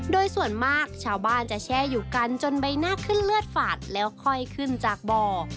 โดยส่วนมากชาวบ้านจะแช่อยู่กันจนใบหน้าขึ้นเลือดฝาดแล้วค่อยขึ้นจากบ่อ